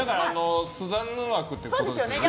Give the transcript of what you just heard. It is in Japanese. スザンヌ枠ってことですよね。